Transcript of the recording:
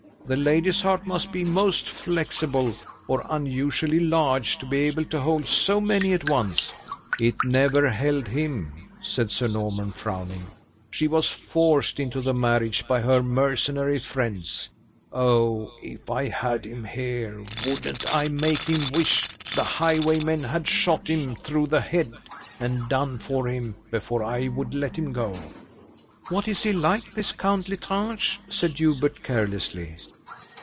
The lady's heart must be most flexible, or unusually large, to be able to hold so many at once." "It never held him!" said Sir Norman, frowning; "she was forced into the marriage by her mercenary friends. Oh! if I had him here, wouldn't I make him wish the highwaymen had shot him through the head, and done for him, before I would let him go!" "What is he like this Count L'Estrange?" said Hubert, carelessly.